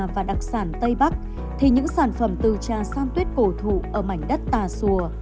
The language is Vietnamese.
và đặc sản tây bắc thì những sản phẩm từ trà san tuyết cổ thụ ở mảnh đất tà xùa